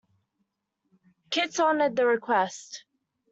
Kit honored the request.